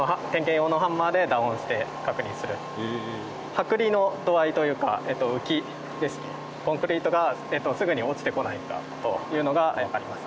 剥離の度合いというか浮きコンクリートがすぐに落ちてこないかというのがあります。